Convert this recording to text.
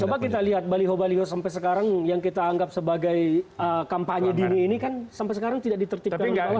coba kita lihat baliho baliho sampai sekarang yang kita anggap sebagai kampanye dini ini kan sampai sekarang tidak ditertipkan oleh pak ahok